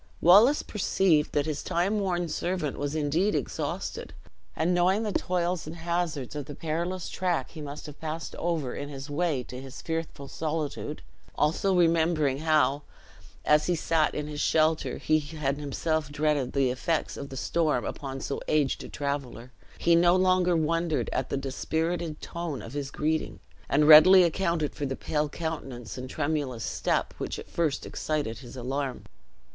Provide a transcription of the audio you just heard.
Wallace perceived that his time worn servant was indeed exhausted; and knowing the toils and hazards of the perilous track he must have passed over in his way to his fearful solitude, also remembering how, as he sat in his shelter, he had himself dreaded the effects of the storm upon so aged a traveler, he no longer wondered at the dispirited tone of his greeting, and readily accounted for the pale countenance and tremulous step which at first had excited his alarm.